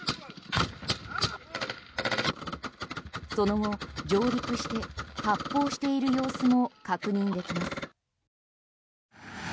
その後、上陸して発砲している様子も確認できます。